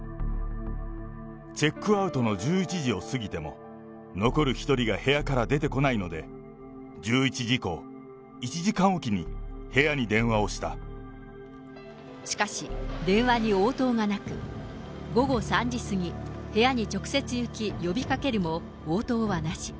チェックアウトの１１時を過ぎても、残る１人が部屋から出てこないので、１１時以降、しかし、電話に応答がなく、午後３時過ぎ、部屋に直接行き、呼びかけるも応答はなし。